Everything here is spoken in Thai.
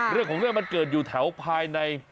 เรื่องของเรื่องมันเกิดอยู่แถวภายใน